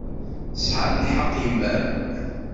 Tesɛa lḥeqq yemma-m.